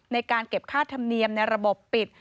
ในการเก็บค่าธรรมเนียมในระบบปิด